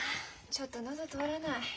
ちょっと喉通らない。